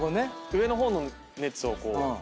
上の方の熱をこう。